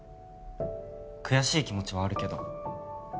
悔しい気持ちはあるけど